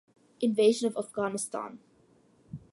Invasion of Afghanistan.